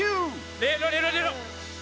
レーロレロレロ。